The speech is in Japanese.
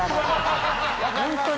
ホントに。